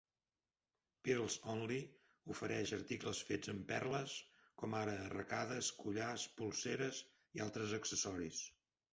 PearlsOnly ofereix articles fets amb perles, com ara arracades, collars, polseres i altres accessoris.